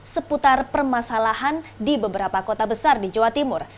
seputar permasalahan di beberapa kota besar di jawa timur